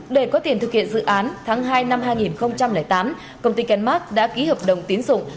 để có tiền thực hiện dự án tháng hai năm hai nghìn tám công ty kenmax đã ký hợp đồng tiến dụng